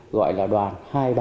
gọi là đoàn hai trăm ba mươi hai